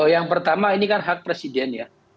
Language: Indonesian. yang pertama ini kan hak presiden ya